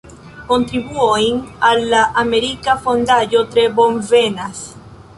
Kontribuojn al la Amerika Fondaĵo tre bonvenas!